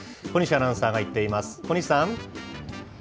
小西アナウンサーが行っています。